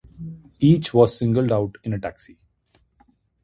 Each was singled out in a taxi.